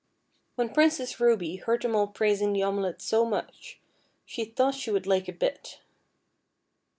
When Princess Ruby heard them all praising the omelet so much, she thought she would like a bit.